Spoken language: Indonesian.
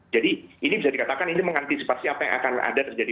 jadi ini bisa dikatakan ini mengantisipasi apa yang akan ada terjadi